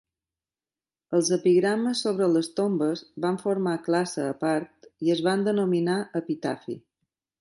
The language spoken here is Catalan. Els epigrames sobre les tombes van formar classe a part i es van denominar epitafi.